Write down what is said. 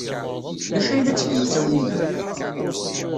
D acu ay la ttgen usawen-inna?